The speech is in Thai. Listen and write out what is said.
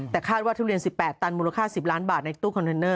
แต่คาดว่าทุเรียน๑๘ตันมูลค่า๑๐ล้านบาทในตู้คอนเทนเนอร์